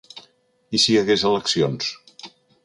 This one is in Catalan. I si hi hagués eleccions?